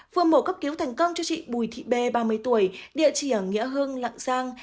vừa mổ cấp cứu thành công cho chị bùi thị bê ba mươi tuổi địa chỉ ở nghĩa hương lạng giang